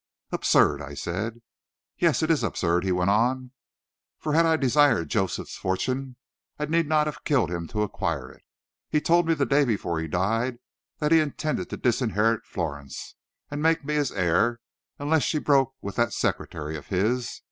"Absurd!" I said. "Yes, it is absurd," he went on, "for had I desired Joseph's fortune, I need not have killed him to acquire it. He told me the day before he died that he intended to disinherit Florence, and make me his heir, unless she broke with that secretary of his.